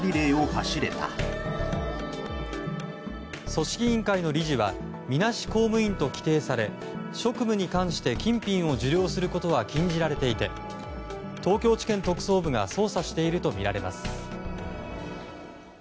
組織員会の理事はみなし公務員と規定され職務に関して金品を受領することは禁じられていて東京地検特捜部が捜査しているとみられます。